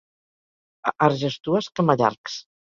A Argestues, camallargs.